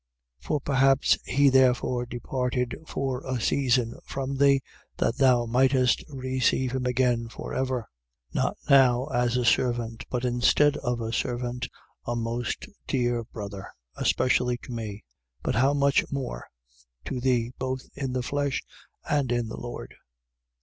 1:15. For perhaps he therefore departed for a season from thee that thou mightest receive him again for ever: 1:16. Not now as a servant, but instead of a servant, a most dear brother, especially to me. But how much more to thee, both in the flesh and in the Lord?